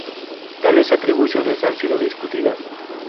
Tales atribuciones han sido discutidas.